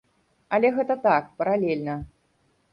Але гэта так, паралельна.